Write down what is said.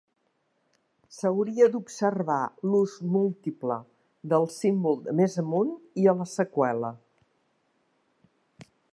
S"hauria d"observar l"ús múltiple del símbol de més amunt i a la seqüela.